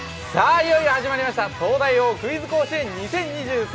いよいよ始まりました東大王クイズ甲子園２０２３！